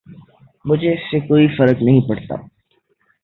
مجھے اس سے کوئی فرق نہیں پڑتا۔